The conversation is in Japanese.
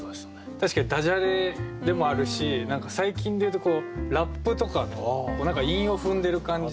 確かにだじゃれでもあるし何か最近で言うとラップとかの韻を踏んでる感じ。